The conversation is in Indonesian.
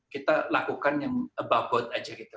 kita lakukan yang above board aja gitu